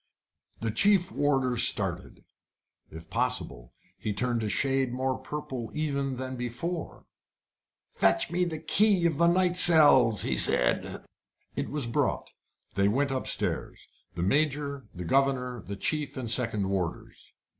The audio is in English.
The chief warder started. If possible, he turned a shade more purple even than before. "Fetch me the key of the night cells," he said. It was brought. They went upstairs the Major, the governor, the chief and second warders.